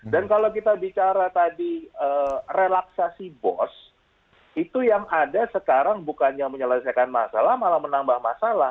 dan kalau kita bicara tadi relaksasi bos itu yang ada sekarang bukannya menyelesaikan masalah malah menambah masalah